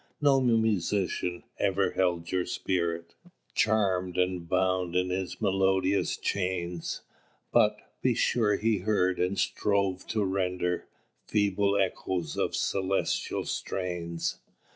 "No Musician ever held your spirit Charmed and bound in his melodious chains; But, be sure, he heard, and strove to render, Feeble echoes of celestial strains.